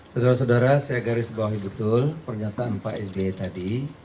saudara saudara saya garis bawahi betul pernyataan pak sby tadi